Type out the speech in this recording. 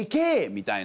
みたいな。